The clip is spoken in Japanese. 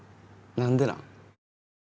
なんでなん？